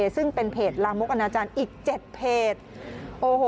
ซึ่งเป็นเพจลามกอนาจารย์อีก๗เพจ